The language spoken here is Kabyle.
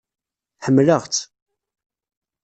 Ḥemmleɣ-tt.